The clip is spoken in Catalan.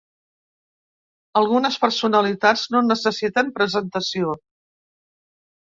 Algunes personalitats no necessiten presentació.